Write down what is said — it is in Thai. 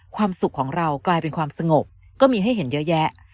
ความสุขของเรากลายเป็นความสงบก็มีให้เห็นเยอะแยะ